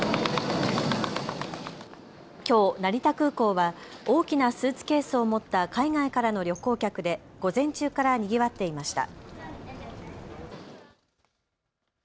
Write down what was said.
きょう成田空港は大きなスーツケースを持った海外からの旅行客で午前中からにぎわっていました。